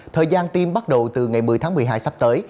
thời gian tim bắt đầu từ ngày một mươi tháng một mươi hai sắp tới